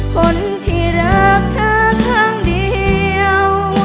คนที่รักเธอครั้งเดียว